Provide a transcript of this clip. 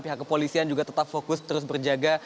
pihak kepolisian juga tetap fokus terus berjaga